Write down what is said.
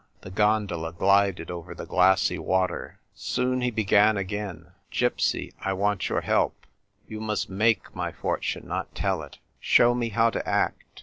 The gondola glided over the glassy water. Soon he began again. " Gypsy, I want your help. You must make my fortune, not tell it. Show me how to act.